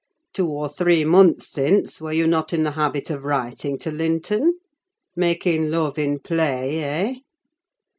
Two or three months since, were you not in the habit of writing to Linton? making love in play, eh?